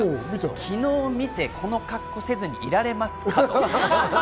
昨日見てこの格好せずにいられますか？